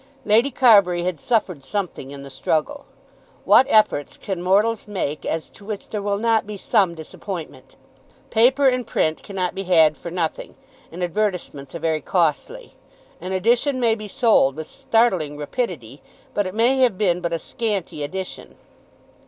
Lady Carbury had suffered something in the struggle. What efforts can mortals make as to which there will not be some disappointment? Paper and print cannot be had for nothing, and advertisements are very costly. An edition may be sold with startling rapidity, but it may have been but a scanty edition.